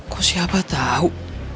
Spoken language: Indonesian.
kok siapa tau